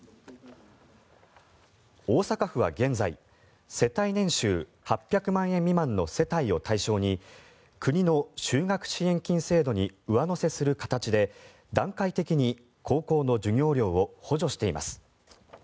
大阪府は現在世帯年収８００万円未満の世帯を対象に国の就学支援金制度に上乗せする形で段階的に高校の授業料を補助しています。